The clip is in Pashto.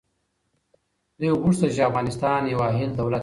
دوی غوښتل چي افغانستان یو حایل دولت وي.